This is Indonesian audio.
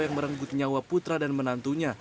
yang merenggut nyawa putra dan menantunya